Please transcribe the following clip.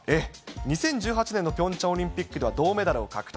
２０１８年のピョンチャンオリンピックでは銅メダルを獲得。